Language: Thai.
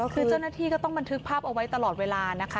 คือเจ้าหน้าที่ก็ต้องบันทึกภาพเอาไว้ตลอดเวลานะคะ